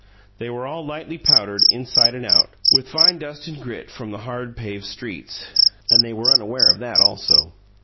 They were all lightly powdered, inside and out, with fine dust and grit from the hard paved streets, and they were unaware of that also.